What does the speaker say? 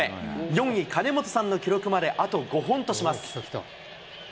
４位金本さんの記録まで、あと５本とします。